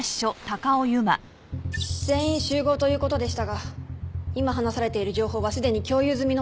全員集合という事でしたが今話されている情報はすでに共有済みのものばかりです。